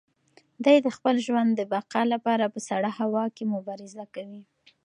دی د خپل ژوند د بقا لپاره په سړه هوا کې مبارزه کوي.